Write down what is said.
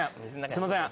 すいません。